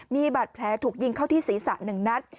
มีบาดแผลถูกยิงเข้าที่ศีรษะ๑นัด